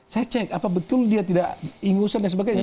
saya cek apa betul dia tidak ingusan dan sebagainya